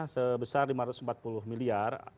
sebesar lima ratus empat puluh miliar